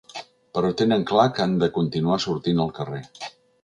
Però tenen clar que han de continuar sortint al carrer.